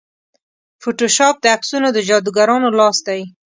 فوټوشاپ د عکسونو د جادوګرانو لاس دی.